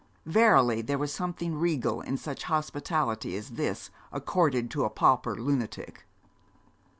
Verily, there was something regal in such hospitality as this, accorded to a pauper lunatic.